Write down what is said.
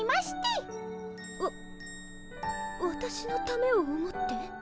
わわたしのためを思って？